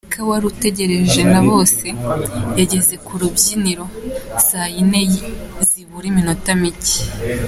Nneka wari utegerejwe na bose, yageze ku rubyiniro saa yine zibura iminota mike.